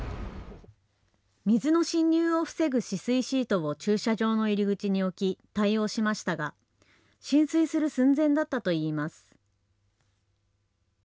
水の侵入を防ぐ止水シートを駐車場の入り口に置き対応しましたが浸水する寸前だったといいます。